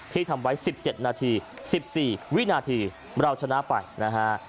ทำไว้๑๗นาที๑๔วินาทีเราชนะไปนะฮะ